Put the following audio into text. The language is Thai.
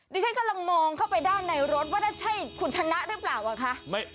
ดิฉันกำลังมองเข้าไปด้านไหนรถว่าจะใช่ขุนชนะหรือเปล่า